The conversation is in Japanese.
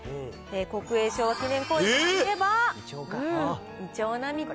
国営昭和記念公園といえば、いちょう並木。